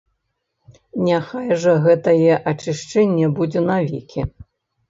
Няхай жа гэтае ачышчэнне будзе навекі.